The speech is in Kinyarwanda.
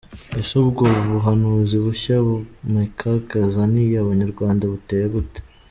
Ese ubwo buhanuzi bushya Mechack azaniye abanyarwanda buteye gute?.